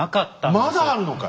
まだあるのかい？